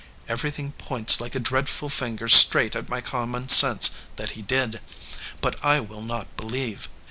Everything points like a dreadful finger straight at my com mon sense that he did, but I will not believe.